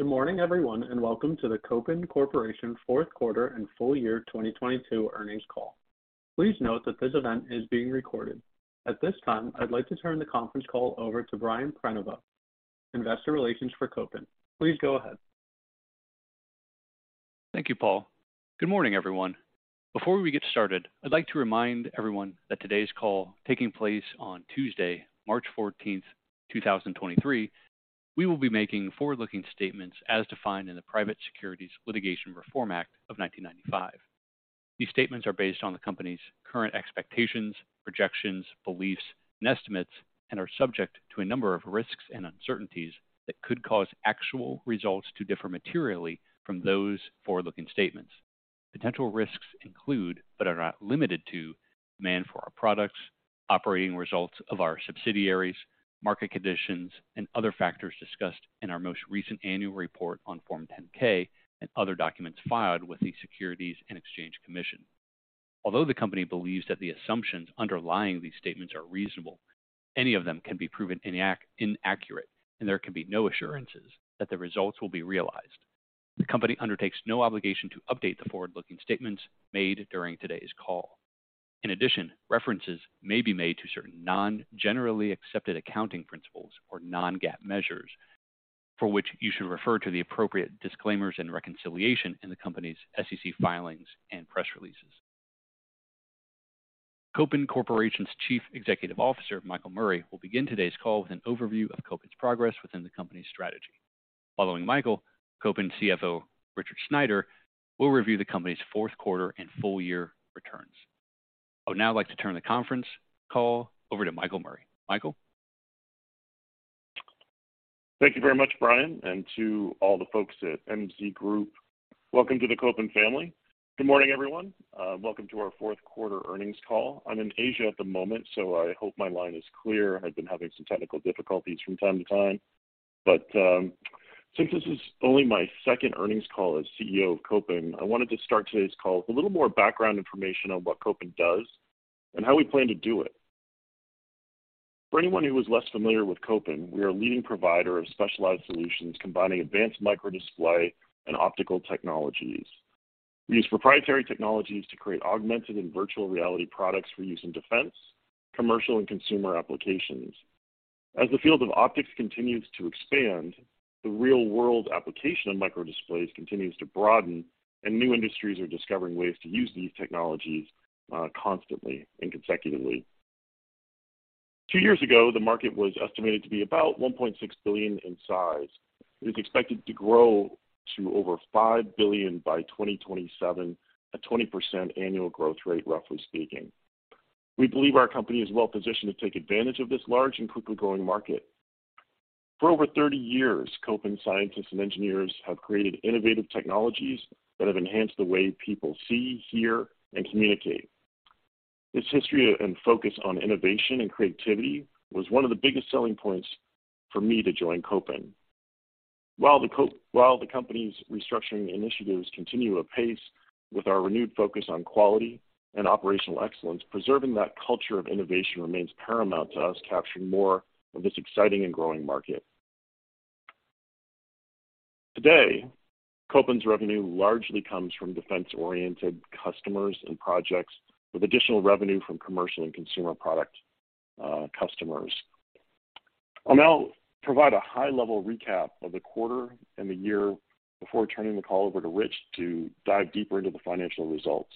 Good morning, everyone, welcome to the Kopin Corporation fourth quarter and full year 2022 earnings call. Please note that this event is being recorded. At this time, I'd like to turn the conference call over to Brian Prenoveau, Investor Relations for Kopin. Please go ahead. Thank you, Paul. Good morning, everyone. Before we get started, I'd like to remind everyone that today's call taking place on Tuesday, March 14th, 2023, we will be making forward-looking statements as defined in the Private Securities Litigation Reform Act of 1995. These statements are based on the company's current expectations, projections, beliefs, and estimates and are subject to a number of risks and uncertainties that could cause actual results to differ materially from those forward-looking statements. Potential risks include, but are not limited to, demand for our products, operating results of our subsidiaries, market conditions, and other factors discussed in our most recent annual report on Form 10-K and other documents filed with the Securities and Exchange Commission. Although the company believes that the assumptions underlying these statements are reasonable, any of them can be proven inaccurate, and there can be no assurances that the results will be realized. The company undertakes no obligation to update the forward-looking statements made during today's call. In addition, references may be made to certain non-generally accepted accounting principles or non-GAAP measures, for which you should refer to the appropriate disclaimers and reconciliation in the company's SEC filings and press releases. Kopin Corporation's Chief Executive Officer, Michael Murray, will begin today's call with an overview of Kopin's progress within the company's strategy. Following Michael, Kopin CFO, Richard Sneider, will review the company's fourth quarter and full-year returns. I would now like to turn the conference call over to Michael Murray. Michael? Thank you very much, Brian Prenoveau, and to all the folks at MZ Group, welcome to the Kopin family. Good morning, everyone. Welcome to our fourth quarter earnings call. I'm in Asia at the moment, so I hope my line is clear. I've been having some technical difficulties from time to time. Since this is only my second earnings call as CEO of Kopin, I wanted to start today's call with a little more background information on what Kopin does and how we plan to do it. For anyone who is less familiar with Kopin, we are a leading provider of specialized solutions combining advanced microdisplay and optical technologies. We use proprietary technologies to create augmented and virtual reality products for use in defense, commercial, and consumer applications. As the field of optics continues to expand, the real-world application of microdisplays continues to broaden, and new industries are discovering ways to use these technologies, constantly and consecutively. Two years ago, the market was estimated to be about $1.6 billion in size. It is expected to grow to over $5 billion by 2027 at 20% annual growth rate, roughly speaking. We believe our company is well-positioned to take advantage of this large and quickly growing market. For over 30 years, Kopin scientists and engineers have created innovative technologies that have enhanced the way people see, hear, and communicate. This history and focus on innovation and creativity was one of the biggest selling points for me to join Kopin. While the company's restructuring initiatives continue apace with our renewed focus on quality and operational excellence, preserving that culture of innovation remains paramount to us capturing more of this exciting and growing market. Today, Kopin's revenue largely comes from defense-oriented customers and projects, with additional revenue from commercial and consumer product customers. I'll now provide a high-level recap of the quarter and the year before turning the call over to Rich to dive deeper into the financial results.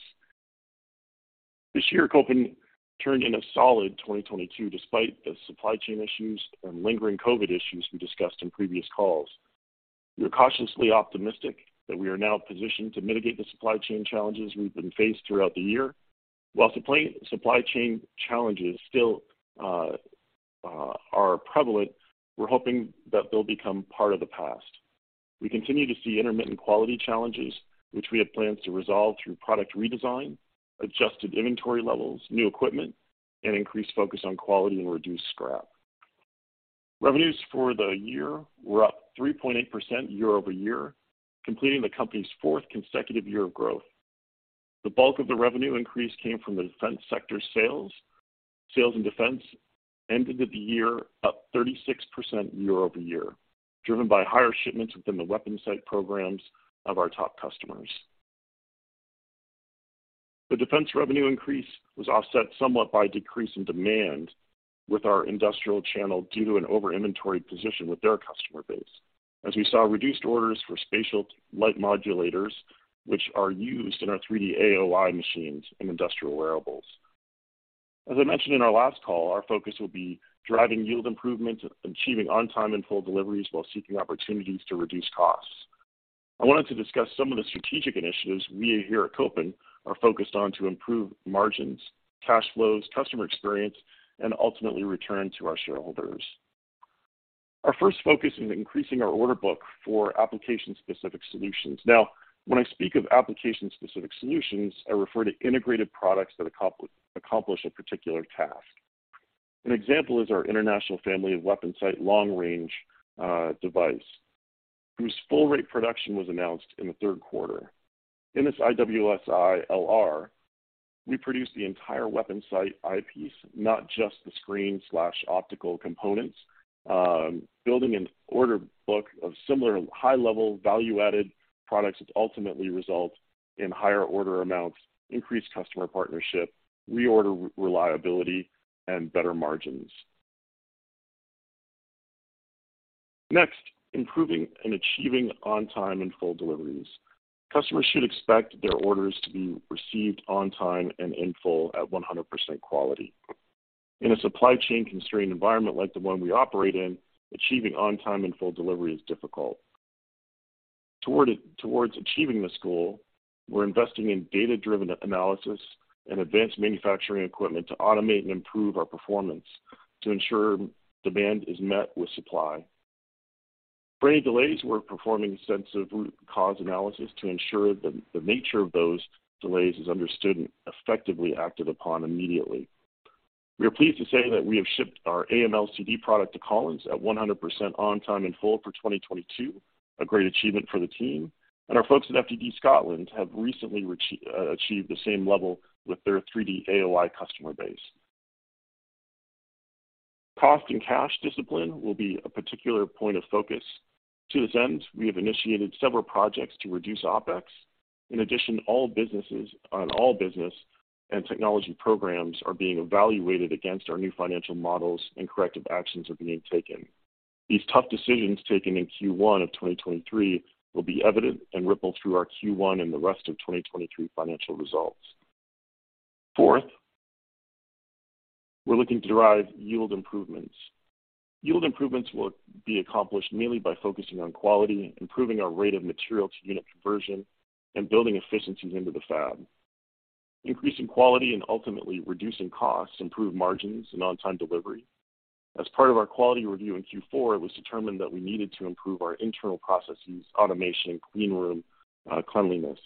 This year, Kopin turned in a solid 2022 despite the supply chain issues and lingering COVID issues we discussed in previous calls. We are cautiously optimistic that we are now positioned to mitigate the supply chain challenges we've been faced throughout the year. While supply chain challenges still are prevalent, we're hoping that they'll become part of the past. We continue to see intermittent quality challenges, which we have plans to resolve through product redesign, adjusted inventory levels, new equipment, and increased focus on quality and reduced scrap. Revenues for the year were up 3.8% year-over-year, completing the company's fourth consecutive year of growth. The bulk of the revenue increase came from the defense sector sales. Sales in defense ended the year up 36% year-over-year, driven by higher shipments within the weapon site programs of our top customers. The defense revenue increase was offset somewhat by a decrease in demand with our industrial channel due to an over-inventoried position with their customer base. We saw reduced orders for spatial light modulators, which are used in our 3D AOI machines and industrial wearables. As I mentioned in our last call, our focus will be driving yield improvement, achieving on-time and full deliveries while seeking opportunities to reduce costs. I wanted to discuss some of the strategic initiatives we here at Kopin are focused on to improve margins, cash flows, customer experience, and ultimately return to our shareholders. Our first focus is increasing our order book for application-specific solutions. When I speak of application-specific solutions, I refer to integrated products that accomplish a particular task. An example is our Individual Weapon Sight-Long Range device, whose full rate production was announced in the third quarter. In this IWS-LR, we produce the entire weapon sight eyepiece, not just the screen/optical components. Building an order book of similar high-level value-added products that ultimately result in higher order amounts, increased customer partnership, reorder reliability, and better margins. Next, improving and achieving on-time and full deliveries. Customers should expect their orders to be received on time and in full at 100% quality. In a supply chain constrained environment like the one we operate in, achieving on-time and full delivery is difficult. Towards achieving this goal, we're investing in data-driven analysis and advanced manufacturing equipment to automate and improve our performance to ensure demand is met with supply. For any delays, we're performing a sense of root cause analysis to ensure the nature of those delays is understood and effectively acted upon immediately. We are pleased to say that we have shipped our AMLCD product to Collins at 100% on time in full for 2022, a great achievement for the team, and our folks at FTD Scotland have recently achieved the same level with their 3D AOI customer base. Cost and cash discipline will be a particular point of focus. To this end, we have initiated several projects to reduce OpEx. In addition, all businesses on all business and technology programs are being evaluated against our new financial models, and corrective actions are being taken. These tough decisions taken in Q1 of 2023 will be evident and ripple through our Q1 and the rest of 2023 financial results. Fourth, we're looking to derive yield improvements. Yield improvements will be accomplished mainly by focusing on quality, improving our rate of material to unit conversion, and building efficiencies into the fab. Increasing quality and ultimately reducing costs, improve margins and on-time delivery. As part of our quality review in Q4, it was determined that we needed to improve our internal processes, automation, clean room cleanliness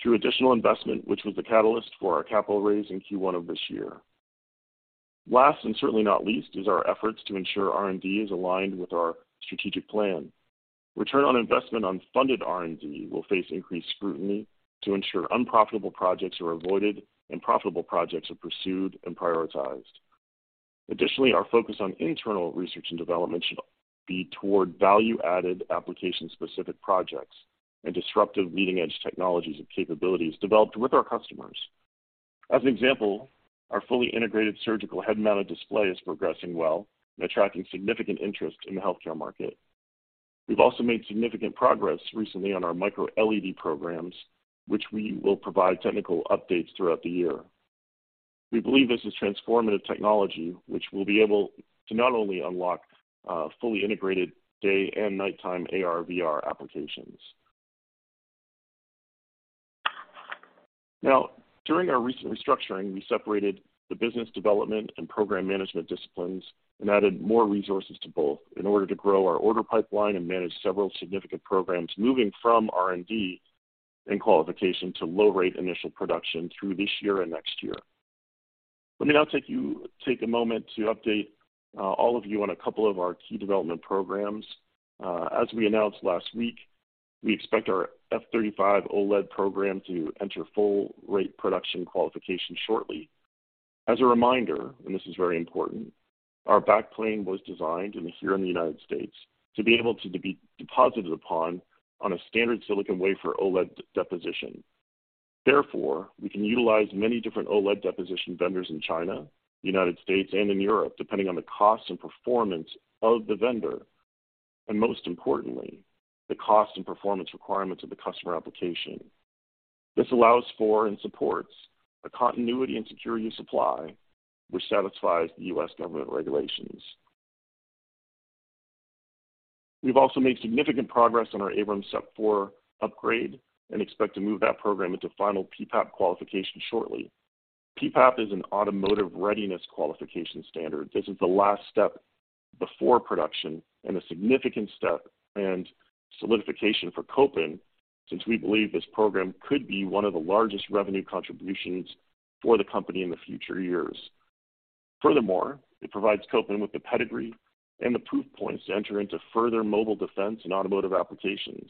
through additional investment, which was the catalyst for our capital raise in Q1 of this year. Last, and certainly not least, is our efforts to ensure R&D is aligned with our strategic plan. Return on investment on funded R&D will face increased scrutiny to ensure unprofitable projects are avoided and profitable projects are pursued and prioritized. Additionally, our focus on internal research and development should be toward value-added application-specific projects and disruptive leading-edge technologies and capabilities developed with our customers. As an example, our fully integrated surgical head-mounted display is progressing well and attracting significant interest in the healthcare market. We've also made significant progress recently on our Micro-LED programs, which we will provide technical updates throughout the year. We believe this is transformative technology which will be able to not only unlock fully integrated day and nighttime AR/VR applications. During our recent restructuring, we separated the business development and program management disciplines and added more resources to both in order to grow our order pipeline and manage several significant programs moving from R&D and qualification to low rate initial production through this year and next year. Let me now take a moment to update all of you on a couple of our key development programs. As we announced last week, we expect our F-35 OLED program to enter full rate production qualification shortly. As a reminder, and this is very important, our backplane was designed here in the United States to be able to be deposited upon on a standard silicon wafer OLED deposition. We can utilize many different OLED deposition vendors in China, United States, and in Europe, depending on the cost and performance of the vendor, and most importantly, the cost and performance requirements of the customer application. This allows for and supports a continuity and security of supply which satisfies the U.S. government regulations. We've also made significant progress on our Abrams SEPv4 upgrade and expect to move that program into final PPAP qualification shortly. PPAP is an automotive readiness qualification standard. This is the last step before production and a significant step and solidification for Kopin, since we believe this program could be one of the largest revenue contributions for the company in the future years. It provides Kopin with the pedigree and the proof points to enter into further mobile defense and automotive applications.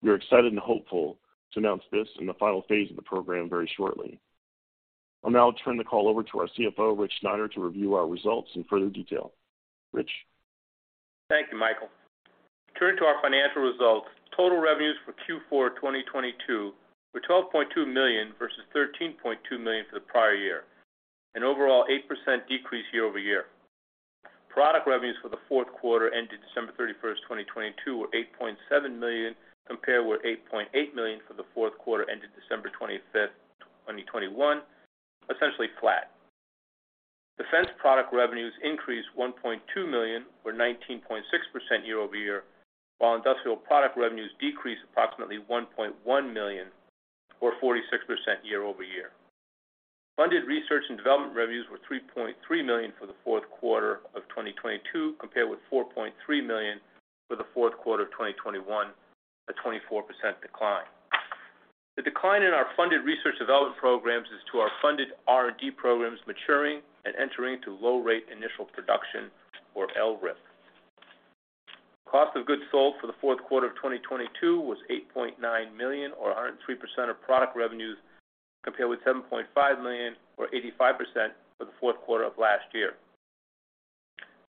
We are excited and hopeful to announce this in the final phase of the program very shortly. I'll now turn the call over to our CFO, Rich Sneider, to review our results in further detail. Rich. Thank you, Michael. Turning to our financial results. Total revenues for Q4 2022 were $12.2 million versus $13.2 million for the prior year, an overall 8% decrease year-over-year. Product revenues for the fourth quarter ended December 31st, 2022 were $8.7 million compared with $8.8 million for the fourth quarter ended December 25th, 2021, essentially flat. Defense product revenues increased $1.2 million or 19.6% year-over-year, while industrial product revenues decreased approximately $1.1 million or 46% year-over-year. Funded R&D revenues were $3.3 million for the fourth quarter of 2022, compared with $4.3 million for the fourth quarter of 2021, a 24% decline. The decline in our funded research development programs is to our funded R&D programs maturing and entering to low rate initial production, or LRIP. Cost of goods sold for the fourth quarter of 2022 was $8.9 million or 103% of product revenues, compared with $7.5 million or 85% for the fourth quarter of last year.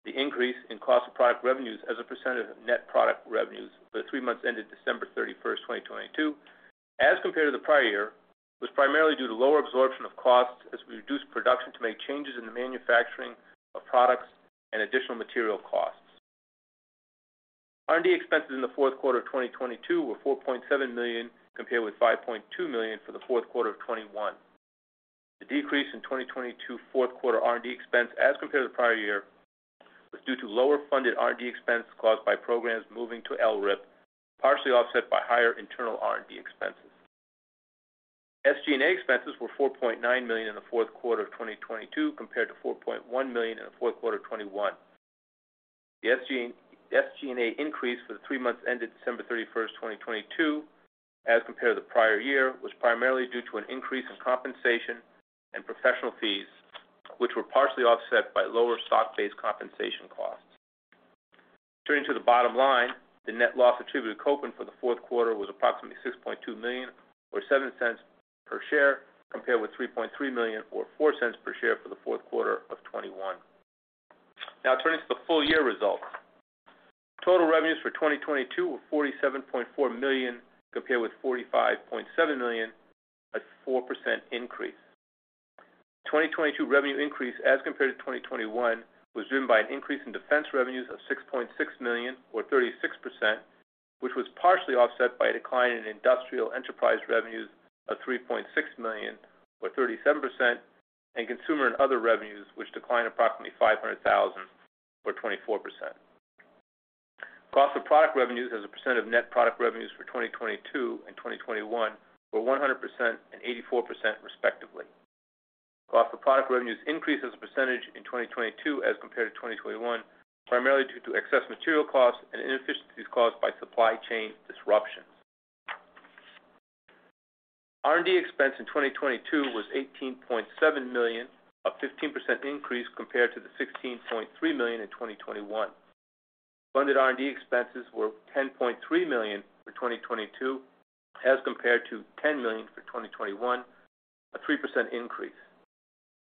The increase in cost of product revenues as a percent of net product revenues for the three months ended December 31st, 2022, as compared to the prior year, was primarily due to lower absorption of costs as we reduced production to make changes in the manufacturing of products and additional material costs. R&D expenses in the fourth quarter of 2022 were $4.7 million, compared with $5.2 million for the fourth quarter of 2021. The decrease in 2022 fourth quarter R&D expense as compared to the prior year was due to lower funded R&D expenses caused by programs moving to LRIP, partially offset by higher internal R&D expenses. SG&A expenses were $4.9 million in the fourth quarter of 2022 compared to $4.1 million in the fourth quarter of 2021. The SG&A increase for the three months ended December 31st, 2022, as compared to the prior year, was primarily due to an increase in compensation and professional fees, which were partially offset by lower stock-based compensation costs. Turning to the bottom line, the net loss attributed to Kopin for the fourth quarter was approximately $6.2 million or $0.07 per share, compared with $3.3 million or $0.04 per share for the fourth quarter of 2021. Now turning to the full year results. Total revenues for 2022 were $47.4 million compared with $45.7 million, a 4% increase. The 2022 revenue increase as compared to 2021 was driven by an increase in defense revenues of $6.6 million, or 36%, which was partially offset by a decline in industrial enterprise revenues of $3.6 million, or 37%, and consumer and other revenues, which declined approximately $500,000 or 24%. Cost of product revenues as a percent of net product revenues for 2022 and 2021 were 100% and 84% respectively. Cost of product revenues increased as a percentage in 2022 as compared to 2021, primarily due to excess material costs and inefficiencies caused by supply chain disruptions. R&D expense in 2022 was $18.7 million, a 15% increase compared to the $16.3 million in 2021. Funded R&D expenses were $10.3 million for 2022 as compared to $10 million for 2021, a 3% increase.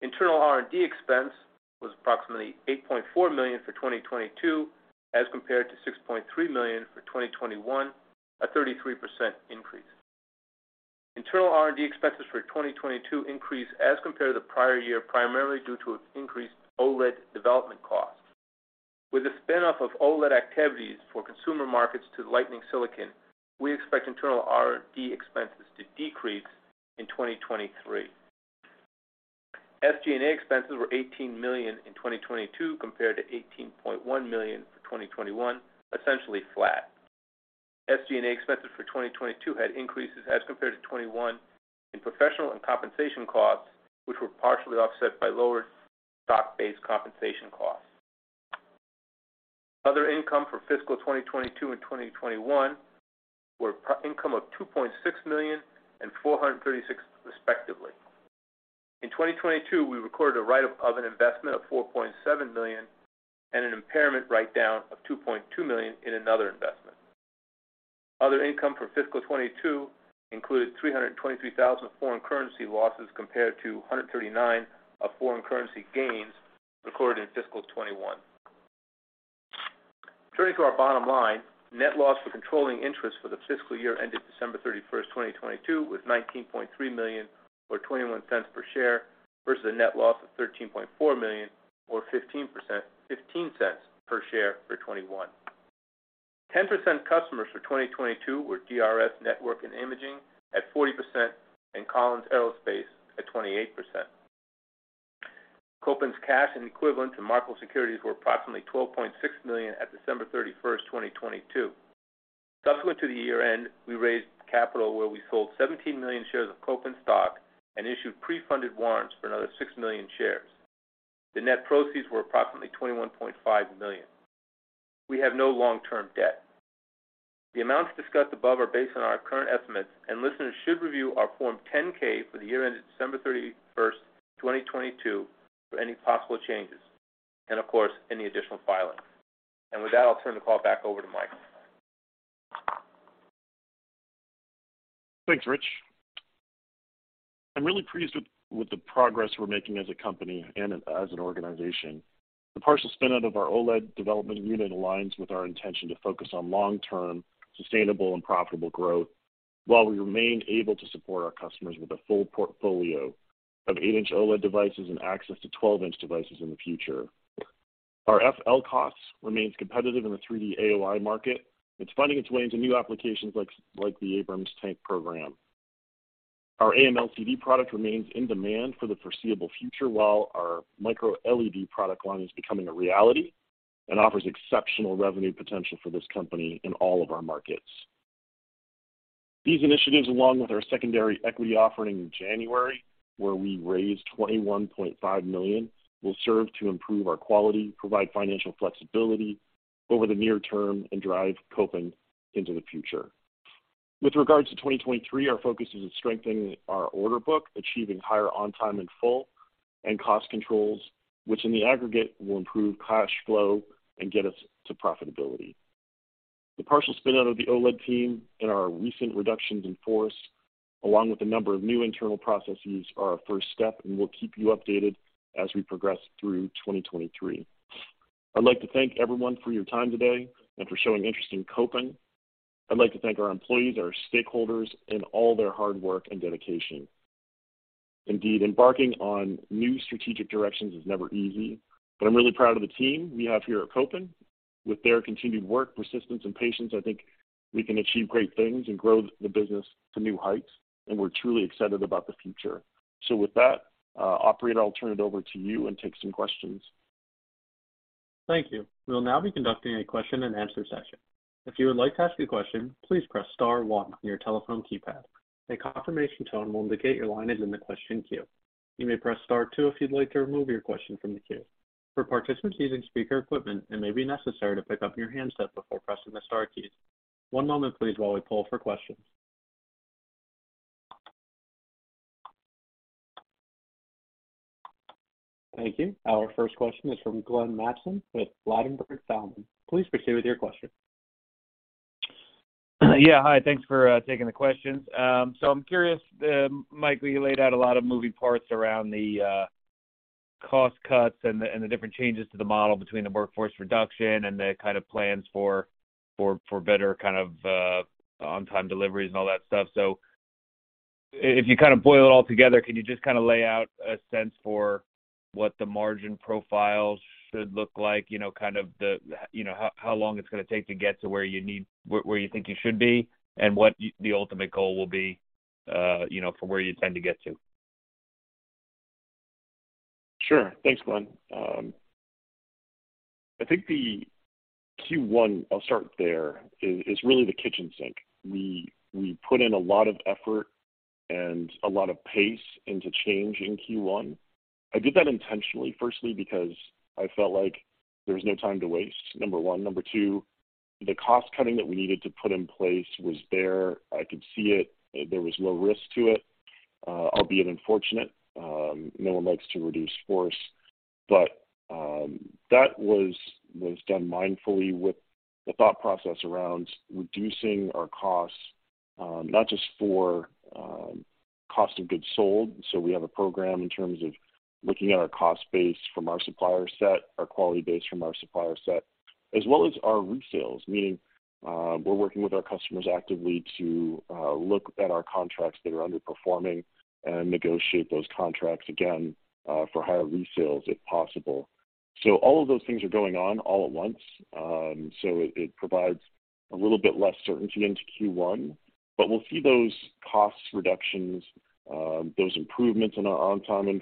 Internal R&D expense was approximately $8.4 million for 2022 as compared to $6.3 million for 2021, a 33% increase. Internal R&D expenses for 2022 increased as compared to the prior year primarily due to increased OLED development costs. With the spin-off of OLED activities for consumer markets to Lightning Silicon, we expect internal R&D expenses to decrease in 2023. SG&A expenses were $18 million in 2022 compared to $18.1 million for 2021, essentially flat. SG&A expenses for 2022 had increases as compared to 2021 in professional and compensation costs, which were partially offset by lower stock-based compensation costs. Other income for fiscal 2022 and 2021 were income of $2.6 million and $436 respectively. In 2022, we recorded a write-up of an investment of $4.7 million and an impairment write-down of $2.2 million in another investment. Other income for fiscal 2022 included $323,000 foreign currency losses compared to $139 of foreign currency gains recorded in fiscal 2021. Turning to our bottom line, net loss for controlling interest for the fiscal year ended December 31st, 2022, was $19.3 million or $0.21 per share versus a net loss of $13.4 million or $0.15 per share for 2021. 10% customers for 2022 were DRS Network and Imaging at 40% and Collins Aerospace at 28%. Kopin's cash and equivalent to marketable securities were approximately $12.6 million at December 31st, 2022. Top to the year end, we raised capital while we fold 17 million share of Kopin stocks and issued pre-fundedwarrants for only six million shares. The net proceeds were approximateLy $21.5 million. We have no long-term debt. The amounts discussed above are based on our current estimates. Listeners should review our Form 10-K for the year ended December 31st, 2022 for any possible changes, and of course, any additional filing. With that, I'll turn the call back over to Mike. Thanks, Rich. I'm really pleased with the progress we're making as a company and as an organization. The partial spin out of our OLED development unit aligns with our intention to focus on long-term, sustainable, and profitable growth, while we remain able to support our customers with a full portfolio of 8-inch OLED devices and access to 12-inch devices in the future. Our FLCOS remains competitive in the 3D AOI market. It's finding its way into new applications like the Abrams tank program. Our AMLCD product remains in demand for the foreseeable future, while our Micro-LED product line is becoming a reality and offers exceptional revenue potential for this company in all of our markets. These initiatives, along with our secondary equity offering in January, where we raised $21.5 million, will serve to improve our quality, provide financial flexibility over the near term, and drive Kopin into the future. With regards to 2023, our focus is strengthening our order book, achieving higher on time and full and cost controls, which in the aggregate will improve cash flow and get us to profitability. The partial spin out of the OLED team and our recent reductions in force, along with a number of new internal processes, are our first step, and we'll keep you updated as we progress through 2023. I'd like to thank everyone for your time today and for showing interest in Kopin. I'd like to thank our employees, our stakeholders in all their hard work and dedication. Embarking on new strategic directions is never easy, but I'm really proud of the team we have here at Kopin. With their continued work, persistence and patience, I think we can achieve great things and grow the business to new heights, and we're truly excited about the future. With that, operator, I'll turn it over to you and take some questions. Thank you. We'll now be conducting a question-and-answer session. If you would like to ask a question, please press star one on your telephone keypad. A confirmation tone will indicate your line is in the question queue. You may press star two if you'd like to remove your question from the queue. For participants using speaker equipment, it may be necessary to pick up your handset before pressing the star keys. One moment please while we pull for questions. Thank you. Our first question is from Glenn Mattson with Ladenburg Thalmann. Please proceed with your question. Yeah, hi. Thanks for taking the questions. I'm curious, Mike, you laid out a lot of moving parts around the cost cuts and the different changes to the model between the workforce reduction and the kind of plans for better kind of on-time deliveries and all that stuff. If you kind of boil it all together, can you just kind of lay out a sense for what the margin profiles should look like? You know, kind of the, you know, how long it's gonna take to get to where you think you should be and what the ultimate goal will be, you know, for where you tend to get to? Sure. Thanks, Glenn. I think the Q1, I'll start there, is really the kitchen sink. We put in a lot of effort and a lot of pace into change in Q1. I did that intentionally, firstly, because I felt like there was no time to waste, number one. Number two, the cost cutting that we needed to put in place was there. I could see it. There was low risk to it, albeit unfortunate. No one likes to reduce force. That was done mindfully with the thought process around reducing our costs, not just for cost of goods sold. We have a program in terms of looking at our cost base from our supplier set, our quality base from our supplier set, as well as our resales. Meaning, we're working with our customers actively to look at our contracts that are underperforming and negotiate those contracts again for higher resales if possible. All of those things are going on all at once. It provides a little bit less certainty into Q1, but we'll see those cost reductions, those improvements in our on time in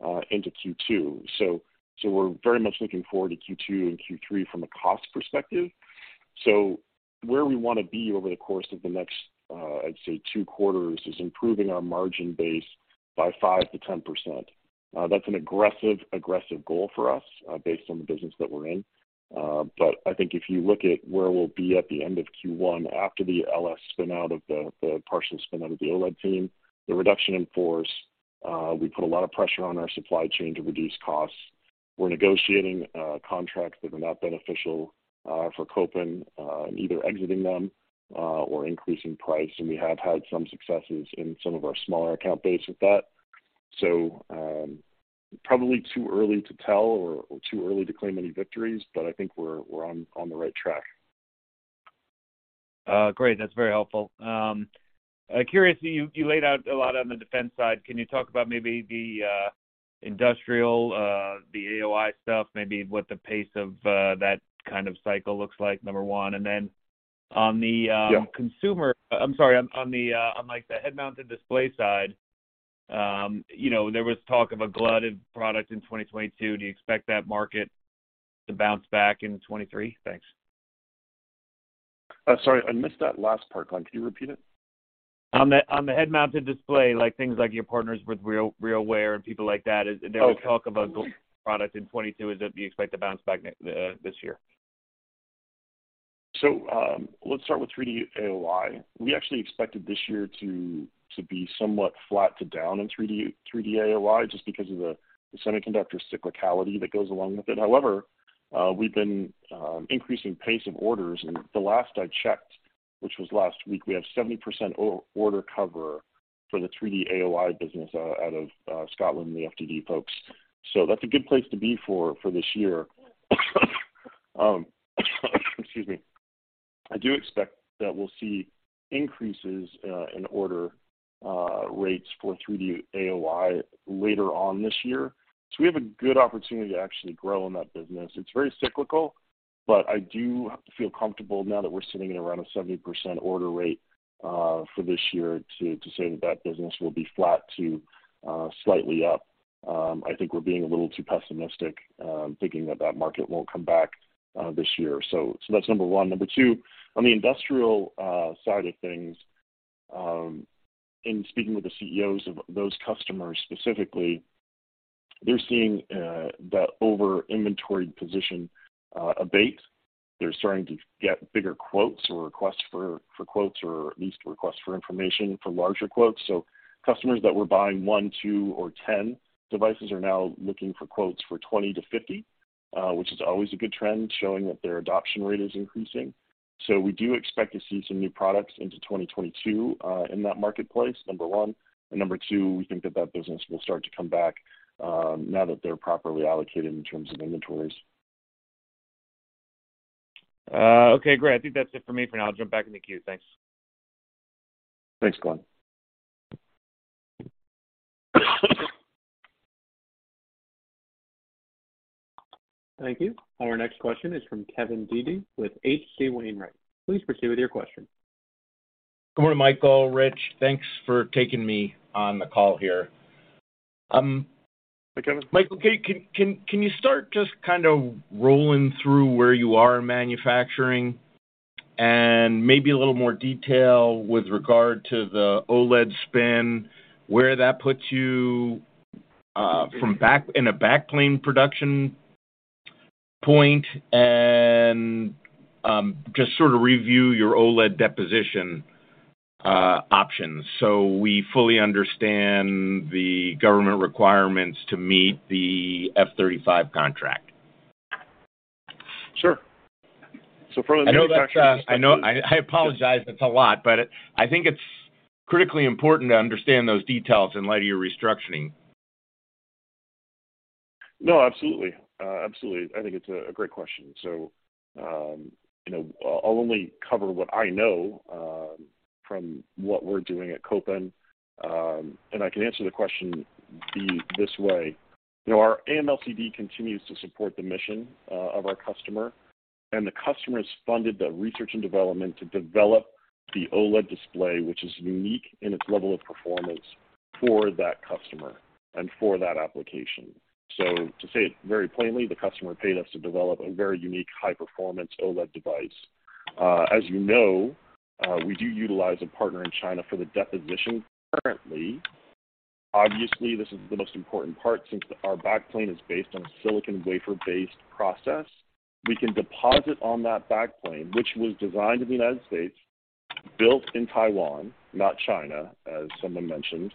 full into Q2. We're very much looking forward to Q2 and Q3 from a cost perspective. Where we wanna be over the course of the next, I'd say two quarters, is improving our margin base by 5%-10%. That's an aggressive goal for us, based on the business that we're in. I think if you look at where we'll be at the end of Q1 after the LS spin out of the partial spin out of the OLED team, the reduction in force, we put a lot of pressure on our supply chain to reduce costs. We're negotiating contracts that are not beneficial for Kopin, and either exiting them or increasing price. We have had some successes in some of our smaller account base with that. Probably too early to tell or too early to claim any victories, I think we're on the right track. Great. That's very helpful. Curious, you laid out a lot on the defense side. Can you talk about maybe the industrial, the AOI stuff, maybe what the pace of that kind of cycle looks like, number one? Then on the- Yeah. I'm sorry, on the, on like the head-mounted display side, you know, there was talk of a glutted product in 2022. Do you expect that market to bounce back in 2023? Thanks. Sorry, I missed that last part, Glenn. Can you repeat it? On the head-mounted display, like things like your partners with RealWear and people like that? Okay. There was talk of a glut product in 2022. Do you expect to bounce back this year? Let's start with 3D AOI. We actually expected this year to be somewhat flat to down in 3D AOI, just because of the semiconductor cyclicality that goes along with it. However, we've been increasing pace of orders. The last I checked, which was last week, we have 70% order cover for the 3D AOI business out of Scotland and the FTD folks. That's a good place to be for this year. Excuse me. I do expect that we'll see increases in order rates for 3D AOI later on this year. We have a good opportunity to actually grow in that business. It's very cyclical, but I do feel comfortable now that we're sitting at around a 70% order rate for this year to say that that business will be flat to slightly up. I think we're being a little too pessimistic, thinking that that market won't come back this year. That's number one Number two, on the industrial side of things, in speaking with the CEOs of those customers specifically. They're seeing that over-inventoried position abate. They're starting to get bigger quotes or requests for quotes or at least requests for information for larger quotes. Customers that were buying one, two, or 10 devices are now looking for quotes for 20-50, which is always a good trend, showing that their adoption rate is increasing. We do expect to see some new products into 2022 in that marketplace, number one. Number two, we think that that business will start to come back, now that they're properly allocated in terms of inventories. Okay, great. I think that's it for me for now. I'll jump back in the queue. Thanks. Thanks, Glenn. Thank you. Our next question is from Kevin Dede with H.C. Wainwright. Please proceed with your question. Good morning, Michael, Rich. Thanks for taking me on the call here. Hi, Kevin. Michael, can you start just kind of rolling through where you are in manufacturing and maybe a little more detail with regard to the OLED spin, where that puts you from in a backplane production point and just sort of review your OLED deposition options so we fully understand the government requirements to meet the F-35 contract? Sure. From a manufacturing perspective. I know that's, I know... I apologize it's a lot, but I think it's critically important to understand those details in light of your restructuring. No, absolutely. Absolutely. I think it's a great question. You know, I'll only cover what I know from what we're doing at Kopin. And I can answer the question this way. You know, our AMLCD continues to support the mission of our customer, and the customer has funded the research and development to develop the OLED display, which is unique in its level of performance for that customer and for that application. To say it very plainly, the customer paid us to develop a very unique, high-performance OLED device. As you know, we do utilize a partner in China for the deposition currently. Obviously, this is the most important part since our backplane is based on a silicon wafer-based process. We can deposit on that backplane, which was designed in the United States, built in Taiwan, not China, as someone mentioned.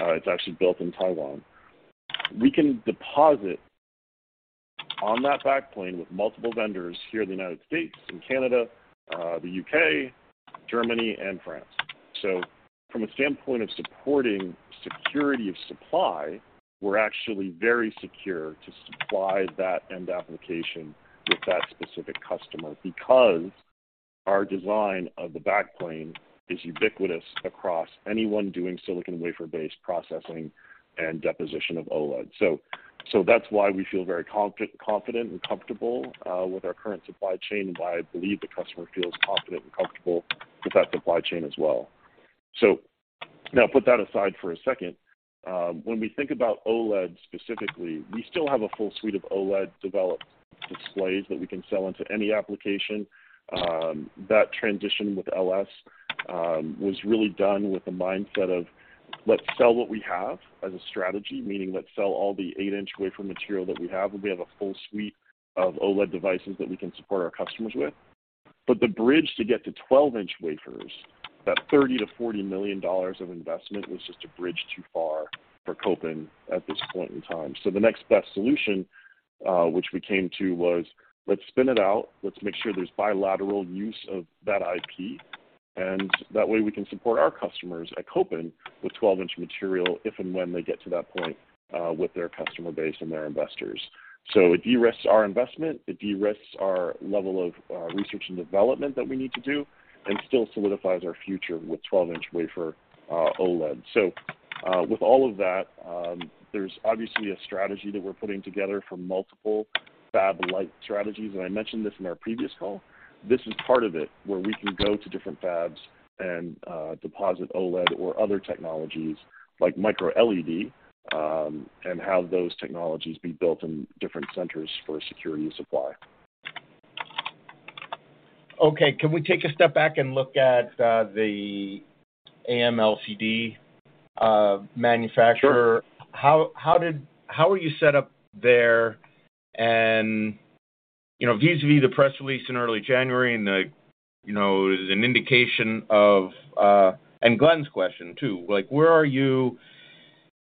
It's actually built in Taiwan. We can deposit on that backplane with multiple vendors here in the United States and Canada, the UK, Germany, and France. From a standpoint of supporting security of supply, we're actually very secure to supply that end application with that specific customer because our design of the backplane is ubiquitous across anyone doing silicon wafer-based processing and deposition of OLED. That's why we feel very confident and comfortable with our current supply chain, and why I believe the customer feels confident and comfortable with that supply chain as well. Now put that aside for a second. When we think about OLED specifically, we still have a full suite of OLED-developed displays that we can sell into any application. That transition with LS was really done with the mindset of "Let's sell what we have as a strategy," meaning let's sell all the 8-inch wafer material that we have, and we have a full suite of OLED devices that we can support our customers with. The bridge to get to 12-inch wafers, that $30 million-$40 million of investment was just a bridge too far for Kopin at this point in time. The next best solution, which we came to, was let's spin it out. Let's make sure there's bilateral use of that IP. That way we can support our customers at Kopin with 12-inch material if and when they get to that point with their customer base and their investors. It de-risks our investment, it de-risks our level of research and development that we need to do, still solidifies our future with 12-inch wafer OLED. With all of that, there's obviously a strategy that we're putting together for multiple fab-lite strategies. I mentioned this in our previous call. This is part of it, where we can go to different fabs and deposit OLED or other technologies like Micro-LED, have those technologies be built in different centers for security of supply. Okay. Can we take a step back and look at the AMLCD manufacturer? Sure. How are you set up there? You know, vis-a-vis the press release in early January and the, you know, an indication of, and Glenn's question too, like, where are you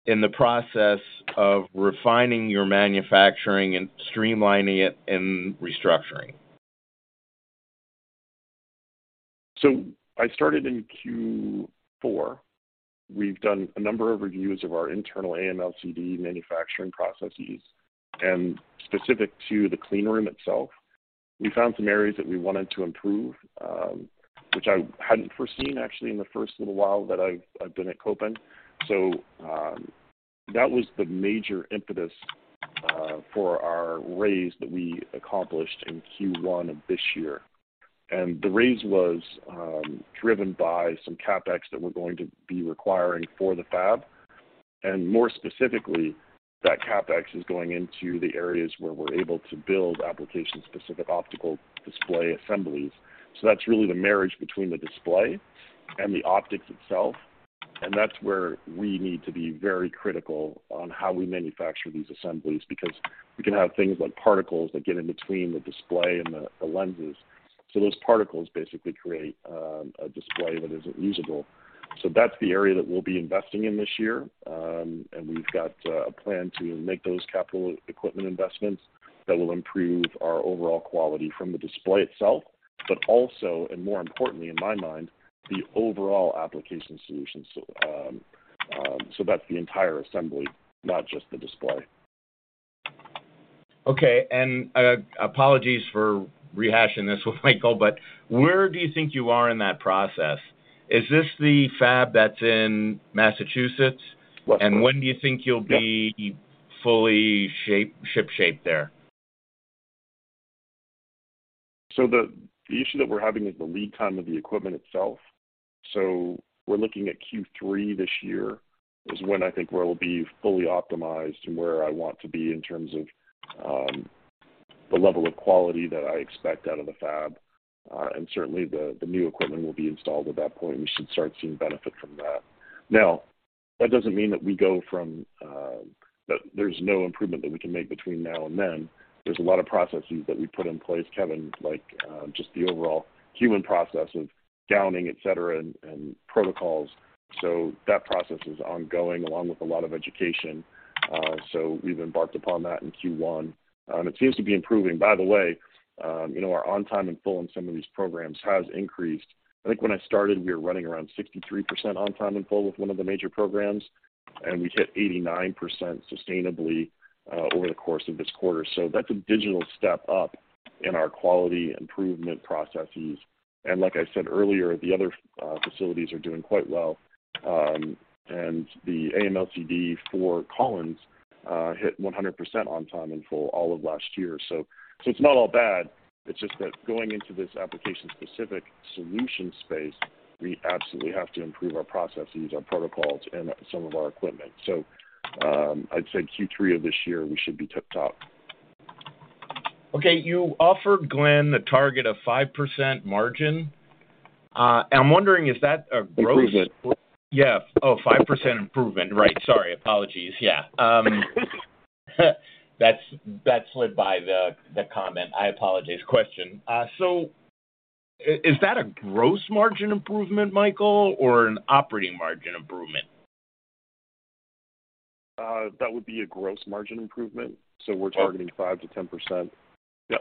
in the process of refining your manufacturing and streamlining it and restructuring? I started in Q4. We've done a number of reviews of our internal AMLCD manufacturing processes, and specific to the cleanroom itself, we found some areas that we wanted to improve, which I hadn't foreseen actually in the first little while that I've been at Kopin. That was the major impetus for our raise that we accomplished in Q1 of this year. The raise was driven by some CapEx that we're going to be requiring for the fab, and more specifically, that CapEx is going into the areas where we're able to build application-specific optical display assemblies. That's really the marriage between the display and the optics itself. That's where we need to be very critical on how we manufacture these assemblies, because we can have things like particles that get in between the display and the lenses. Those particles basically create a display that isn't usable. That's the area that we'll be investing in this year, and we've got a plan to make those capital equipment investments that will improve our overall quality from the display itself, but also, and more importantly in my mind, the overall application solutions. That's the entire assembly, not just the display. Okay. Apologies for rehashing this with Michael, but where do you think you are in that process? Is this the fab that's in Massachusetts? Yes. When do you think you'll be- Yeah. ...fully shipshape there? The issue that we're having is the lead time of the equipment itself. We're looking at Q3 this year is when I think where we'll be fully optimized and where I want to be in terms of the level of quality that I expect out of the fab. Certainly the new equipment will be installed at that point, and we should start seeing benefit from that. Now, that doesn't mean that we go from that there's no improvement that we can make between now and then. There's a lot of processes that we put in place, Kevin, like just the overall human process of gowning, et cetera, and protocols. That process is ongoing, along with a lot of education. We've embarked upon that in Q1. It seems to be improving. By the way, you know, our on time and full on some of these programs has increased. I think when I started, we were running around 63% on time and full with one of the major programs, and we hit 89% sustainably over the course of this quarter. That's a digital step up in our quality improvement processes. Like I said earlier, the other facilities are doing quite well. The AMLCD for Collins hit 100% on time and full all of last year. It's not all bad. It's just that going into this application-specific solution space, we absolutely have to improve our processes, our protocols, and some of our equipment. I'd say Q3 of this year, we should be tip-top. Okay. You offered Glenn a target of 5% margin. I'm wondering is that a gross? Improvement. Yeah. 5% improvement. Right. Sorry. Apologies. Yeah. That slid by the comment. I apologize. Question. Is that a gross margin improvement, Michael, or an operating margin improvement? That would be a gross margin improvement. We're targeting 5%-10%. That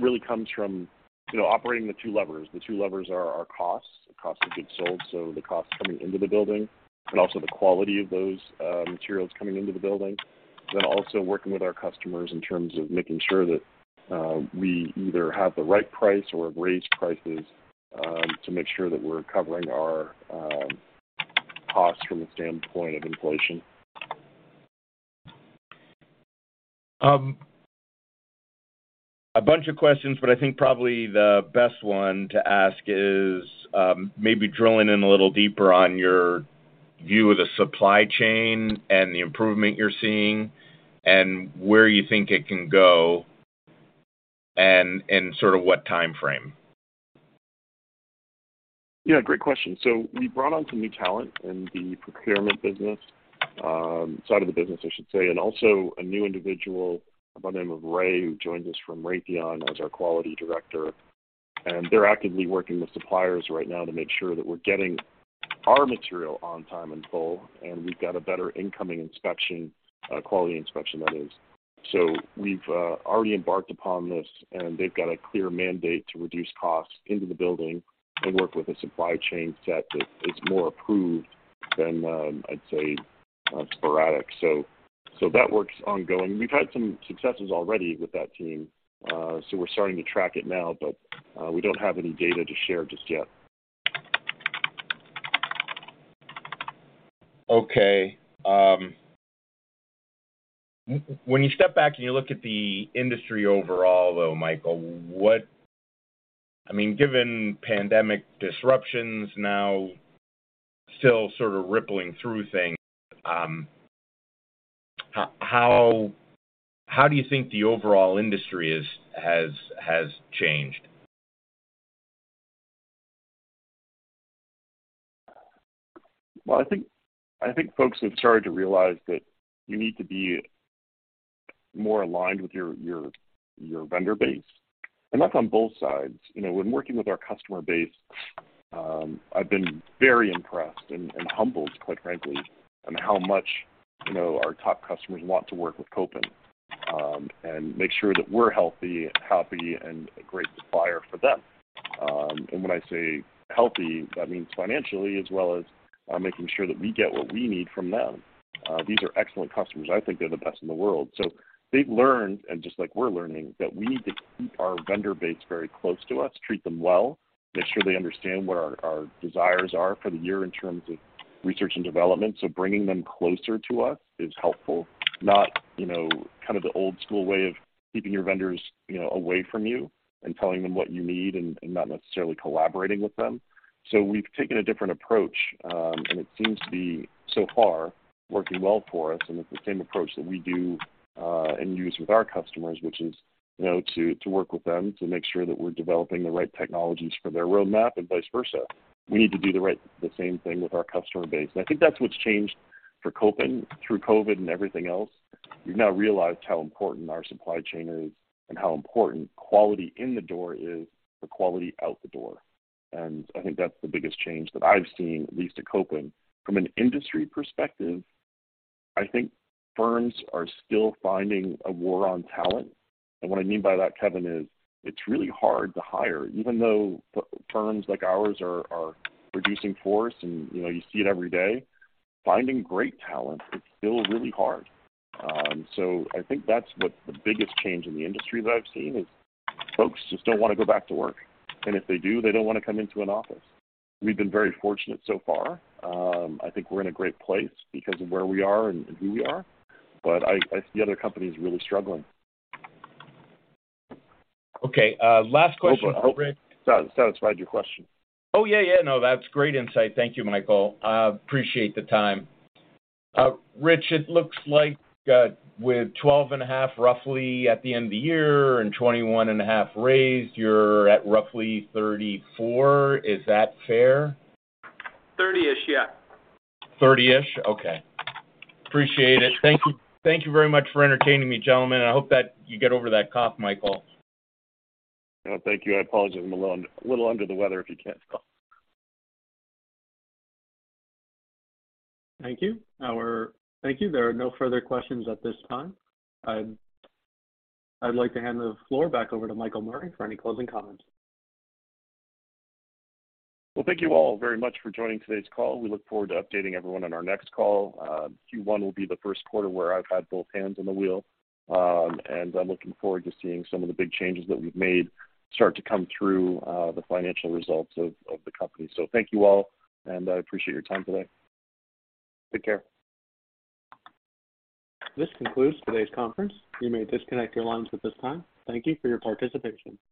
really comes from, you know, operating the two levers. The two levers are our costs, the cost of goods sold, so the cost coming into the building, and also the quality of those materials coming into the building. Also working with our customers in terms of making sure that we either have the right price or have raised prices to make sure that we're covering our costs from the standpoint of inflation. A bunch of questions, but I think probably the best one to ask is, maybe drilling in a little deeper on your view of the supply chain and the improvement you're seeing and where you think it can go and sort of what timeframe? Yeah, great question. We brought on some new talent in the procurement business, side of the business, I should say, and also a new individual by the name of Ray, who joined us from Raytheon as our quality director. They're actively working with suppliers right now to make sure that we're getting our material on time and full, and we've got a better incoming inspection, quality inspection, that is. We've already embarked upon this, and they've got a clear mandate to reduce costs into the building and work with a supply chain set that is more approved than, I'd say, sporadic. That work's ongoing. We've had some successes already with that team, so we're starting to track it now, but we don't have any data to share just yet. Okay. When you step back and you look at the industry overall, though, Michael, what I mean, given pandemic disruptions now still sort of rippling through things, how do you think the overall industry has changed? Well, I think folks have started to realize that you need to be more aligned with your, your vendor base, and that's on both sides. You know, when working with our customer base, I've been very impressed and humbled, quite frankly, on how much, you know, our top customers want to work with Kopin, and make sure that we're healthy, happy, and a great supplier for them. And when I say healthy, that means financially as well as making sure that we get what we need from them. These are excellent customers. I think they're the best in the world. They've learned, and just like we're learning, that we need to keep our vendor base very close to us, treat them well, make sure they understand what our desires are for the year in terms of research and development. Bringing them closer to us is helpful. Not, you know, kind of the old school way of keeping your vendors, you know, away from you and telling them what you need and not necessarily collaborating with them. We've taken a different approach. It seems to be, so far, working well for us. It's the same approach that we do and use with our customers, which is, you know, to work with them to make sure that we're developing the right technologies for their roadmap and vice versa. We need to do the same thing with our customer base. I think that's what's changed for Kopin through COVID and everything else. We've now realized how important our supply chain is and how important quality in the door is for quality out the door. I think that's the biggest change that I've seen, at least at Kopin. From an industry perspective, I think firms are still finding a war on talent. What I mean by that, Kevin, is it's really hard to hire. Even though firms like ours are reducing force and, you know, you see it every day, finding great talent is still really hard. I think that's what the biggest change in the industry that I've seen is folks just don't wanna go back to work. If they do, they don't wanna come into an office. We've been very fortunate so far. I think we're in a great place because of where we are and who we are, but I see other companies really struggling. Okay, last question for Rick. Hope I satisfied your question? Oh, yeah. No, that's great insight. Thank you, Michael. I appreciate the time. Rich, it looks like with twelve and a half roughly at the end of the year and $21.5 Raised, you're at roughly $34. Is that fair? $30-ish, yeah. $30-ish? Okay. Appreciate it. Thank you. Thank you very much for entertaining me, gentlemen. I hope that you get over that cough, Michael. Yeah. Thank you. I apologize. I'm a little under the weather, if you can't tell. Thank you. There are no further questions at this time. I'd like to hand the floor back over to Michael Murray for any closing comments. Well, thank you all very much for joining today's call. We look forward to updating everyone on our next call. Q1 will be the first quarter where I've had both hands on the wheel. I'm looking forward to seeing some of the big changes that we've made start to come through the financial results of the company. Thank you all, and I appreciate your time today. Take care. This concludes today's conference. You may disconnect your lines at this time. Thank you for your participation.